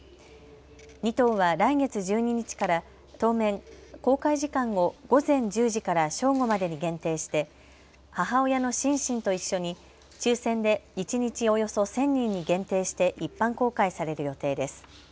２頭は来月１２日から当面公開時間を午前１０時から正午までに限定して母親のシンシンと一緒に抽せんで一日およそ１０００人に限定して一般公開される予定です。